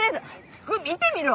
服見てみろ！